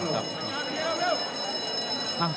ขอบคุณสิทธิ์